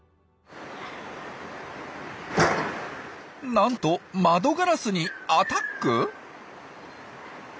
なんと窓ガラスにアタック！？